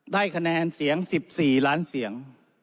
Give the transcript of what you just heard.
ได้คะแนนเสียง๑๔ล้านเสียง